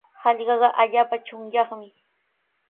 Hallqaqa allaapa chunyaqmi.